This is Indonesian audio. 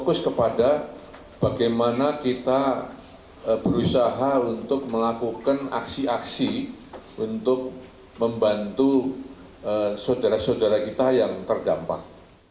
fokus kepada bagaimana kita berusaha untuk melakukan aksi aksi untuk membantu saudara saudara kita yang terdampak